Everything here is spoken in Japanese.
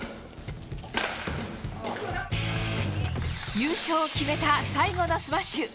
優勝を決めた最後のスマッシュ。